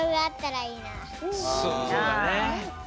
そうだね。